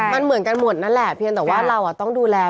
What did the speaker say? มันเหมือนกันหมดนั่นแหละเพียงแต่ว่าเราต้องดูแล